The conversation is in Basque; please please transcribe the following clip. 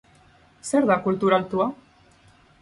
Zer da kultura altua?